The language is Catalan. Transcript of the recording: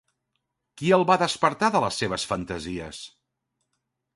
Qui el va despertar de les seves fantasies?